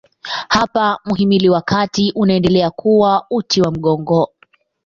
Hapa mhimili wa kati unaendelea kuwa uti wa mgongo.